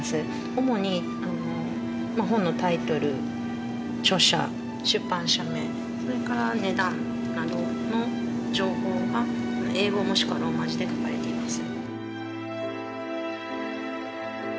主に本のタイトル著者出版社名それから値段などの情報が英語もしくはローマ字で書かれています。